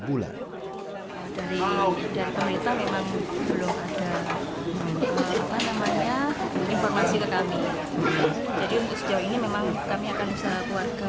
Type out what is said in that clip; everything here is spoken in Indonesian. dan balita memang belum ada informasi ke kami